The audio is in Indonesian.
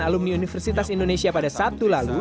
alumni universitas indonesia pada sabtu lalu